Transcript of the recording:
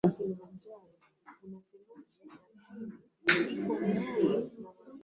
Nchini Uchina, mbinu kuu zaidi ni kunywa sumu.